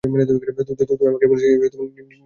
তুই আমাকে বলেছিস নিচে পড়ে তোর হাত ভেঙ্গেছ।